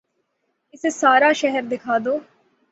اسے سارا شہر دکھا دو